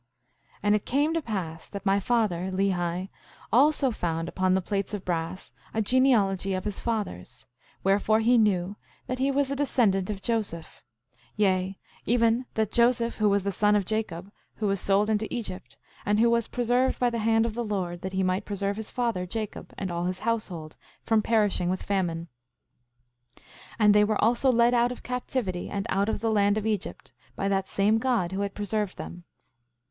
5:14 And it came to pass that my father, Lehi, also found upon the plates of brass a genealogy of his fathers; wherefore he knew that he was a descendant of Joseph; yea, even that Joseph who was the son of Jacob, who was sold into Egypt, and who was preserved by the hand of the Lord, that he might preserve his father, Jacob, and all his household from perishing with famine. 5:15 And they were also led out of captivity and out of the land of Egypt, by that same God who had preserved them.